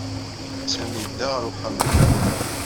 Sami yedda ɣer uxxam-nni.